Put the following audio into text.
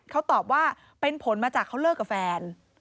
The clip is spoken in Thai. เขาตอบว่าเป็นผลมาจากเขาเลิกกับแฟน